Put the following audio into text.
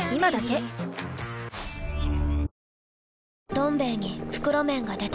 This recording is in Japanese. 「どん兵衛」に袋麺が出た